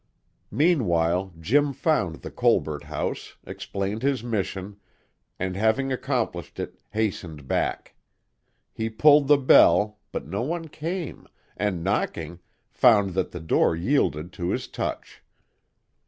Meanwhile Jim found the Colbert house, explained his mission, and having accomplished it, hastened back. He pulled the bell, but no one came, and knocking, found that the door yielded to his touch.